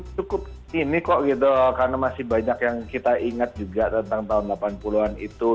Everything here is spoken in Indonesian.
cukup ini kok gitu karena masih banyak yang kita ingat juga tentang tahun delapan puluh an itu